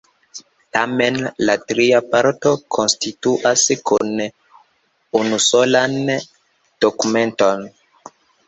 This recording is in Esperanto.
Tamen la tri partoj konstituas kune unusolan dokumenton.